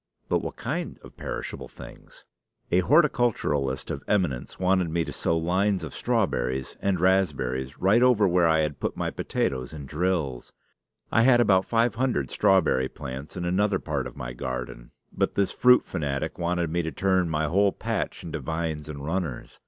"But what kind of perishable things?" A horticulturist of eminence wanted me to sow lines of strawberries and raspberries right over where I had put my potatoes in drills. I had about five hundred strawberry plants in another part of my garden; but this fruit fanatic wanted me to turn my whole patch into vines and runners.